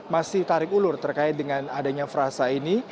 masih tarik ulur terkait dengan adanya frasa ini